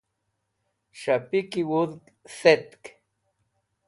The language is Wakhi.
shapik wudg thetk